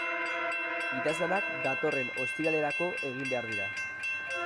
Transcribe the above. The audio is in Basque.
Idazlanak datorren ostiralerako egin behar dira.